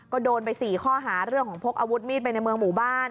ก็โดนไป๔ข้อหาเรื่องของพกอาวุธมีดไปในเมืองหมู่บ้าน